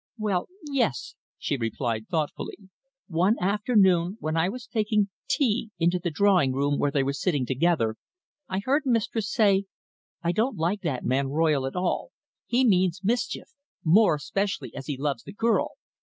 "Well, yes," she replied thoughtfully. "One afternoon when I was taking tea into the drawing room where they were sitting together I heard mistress say, 'I don't like that man Royle at all. He means mischief more especially as he loves the girl.'